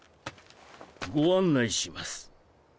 ご案内します。